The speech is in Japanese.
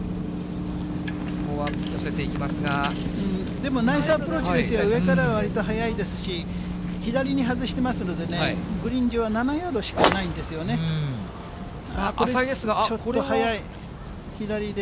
でもナイスアプローチですよ、上からはわりと速いですし、左に外してますのでね、グリーン上は淺井ですが。